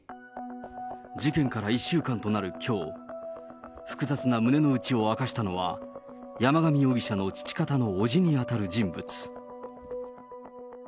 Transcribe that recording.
事件から１週間となるきょう、複雑な胸の内を明かしたのは、山上容疑者の父方の伯父に当たる人物。